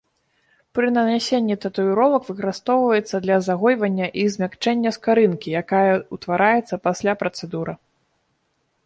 Пры нанясенні татуіровак выкарыстоўваецца для загойвання і змякчэння скарынкі, якая ўтвараецца пасля працэдуры.